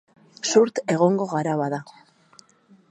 Zurt egongo gara, bada.